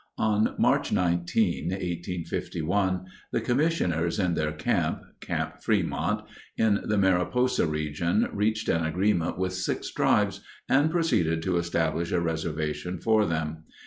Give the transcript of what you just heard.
On March 19, 1851, the commissioners in their camp (Camp Frémont) in the Mariposa region reached an agreement with six tribes and proceeded to establish a reservation for them.